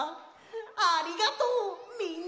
ありがとうみんな！